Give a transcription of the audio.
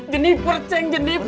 jeniper ceng jeniper